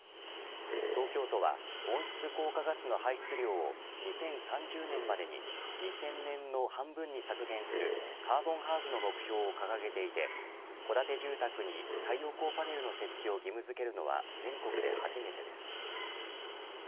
東京都は温室効果ガスの排出量を２０３０年までに２０００年の半分に削減するカーボンハーフの目標を掲げていて戸建て住宅に太陽光パネルの設置を義務付けるのは全国で初めてです。